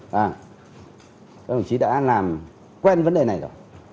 và các đồng chí đã làm quen vấn đề này rồi